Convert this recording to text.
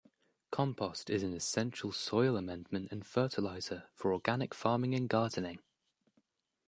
Compost is an essential soil amendment and fertilizer for organic farming and gardening.